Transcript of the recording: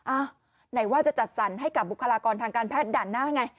ไหนว่าจะจัดสรรให้กับบุคลากรทางการแพทย์ด่านหน้าไง